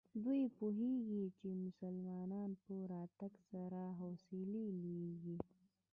دوی پوهېږي چې د مسلمانانو په راتګ سره حوصلې لوړېږي.